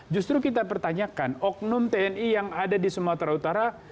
justru kita pertanyakan oknum tni yang ada di sumatera utara